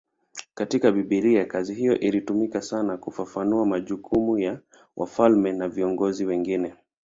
Katika Biblia kazi hiyo ilitumika sana kufafanua majukumu ya wafalme na viongozi wengine.